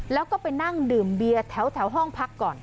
แล้วก็ไปนั่งดื่มเบียร์แถวห้องพักก่อน